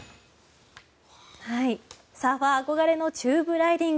サーファー憧れのチューブライディング。